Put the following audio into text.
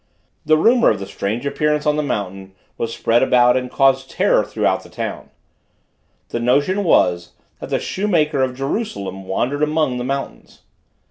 The rumor of the strange appearance on the mountain was spread about and caused terror throughout the town; the notion was, that the shoemaker of Jerusalem wandered among the mountains.